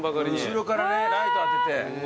後ろからねライト当てて。